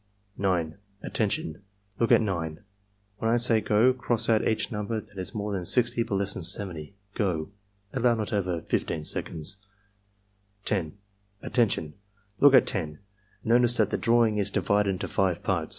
9. "Attention! Look at 9. When I say 'go' cross out each number that is more than 60 but less than 70. — Go!" (Allow not over 15 seconds.) 10. "Attention! Look at 10. Notice that the drawing is divided into five parts.